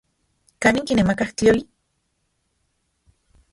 ¿Kanin kinemakaj tlioli?